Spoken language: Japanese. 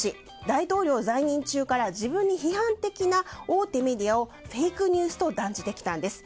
大統領在任中から自分に批判的な大手メディアをフェイクニュースと断じてきたんです。